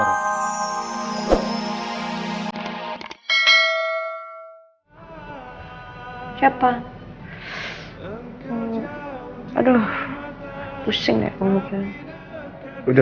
pusing deh pengguna